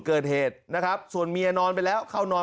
เกิดเหตุนะครับส่วนเมียนอนไปแล้วเข้านอน